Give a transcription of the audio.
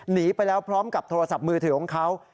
หนีไปแล้วพร้อมกับโทรศัพท์มือถือของเขา